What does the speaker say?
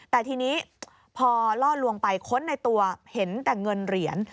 แต่ทีนี้พอล่อลวงไปค้นในตัวเห็นแต่เงินเหรียญ